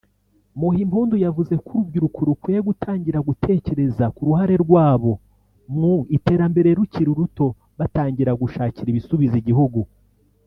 Muhimpundu yavuze ko urubyiruko rukwiye gutangira gutekereza k’uruhare rwabo mu iterambere rukiri ruto batangira gushakira ibisubizo igihugu